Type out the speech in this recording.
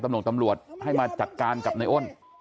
ตำรวจให้มาจัดการกับในอ้น